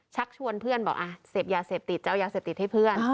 ชักชวนเพื่อนบอกเสพยาเสพติดจะเอายาเสพติดให้เพื่อน